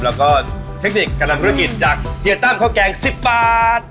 เทคนิคกำลังลังลึกอิ่นจากเฮียตั้มข้าวแกง๑๐บาท